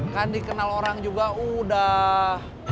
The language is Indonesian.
kan dikenal orang juga udah